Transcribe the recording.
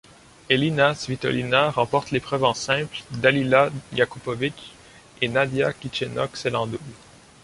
Elina Svitolina remporte l'épreuve en simple, Dalila Jakupović et Nadiia Kichenok celle en double.